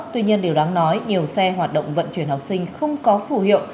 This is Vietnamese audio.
tuy nhiên điều đáng nói nhiều xe hoạt động vận chuyển học sinh không có phù hiệu